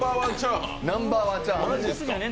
ナンバーワンチャーハンです。